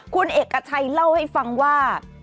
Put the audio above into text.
คุณเอกชัยเล่าให้ฟังว่า